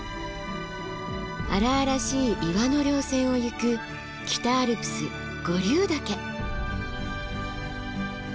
荒々しい岩の稜線をゆく北アルプス五竜岳。